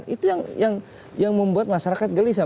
itu yang membuat masyarakat gelisah